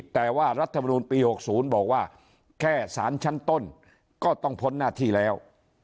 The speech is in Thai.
แต่ว่ารัฐมนูลปี๖๐บอกว่าแค่สารชั้นต้นก็ต้องพ้นหน้าที่แล้ว